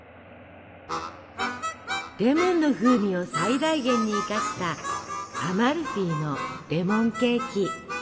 レモンの風味を最大限に生かしたアマルフィのレモンケーキ。